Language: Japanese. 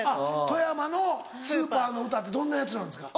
富山のスーパーの歌ってどんなやつなんですか？